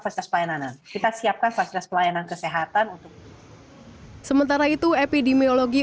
fasilitas pelayanan kita siapkan fasilitas pelayanan kesehatan untuk sementara itu epidemiologi